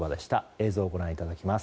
映像をご覧いただきます。